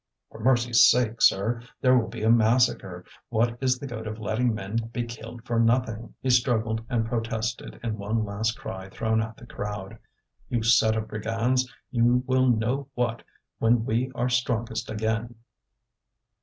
"For mercy's sake, sir! There will be a massacre. What is the good of letting men be killed for nothing?" He struggled and protested in one last cry thrown at the crowd: "You set of brigands, you will know what, when we are strongest again!"